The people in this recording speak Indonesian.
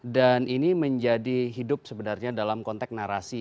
dan ini menjadi hidup sebenarnya dalam konteks narasi